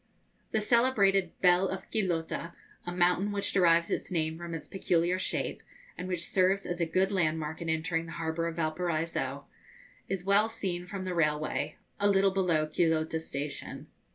The celebrated 'Bell of Quillota,' a mountain which derives its name from its peculiar shape, and which serves as a good landmark in entering the harbour of Valparaiso, is well seen from the railway, a little below Quillota Station.